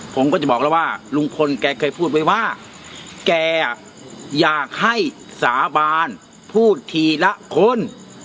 ผมก็จะบอกแล้วว่าลุงพลแกเคยพูดไว้ว่าแกอยากให้สาบานพูดทีละคน